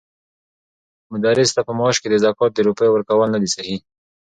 مدرس ته په معاش کې د زکات د روپيو ورکول ندی صحيح؛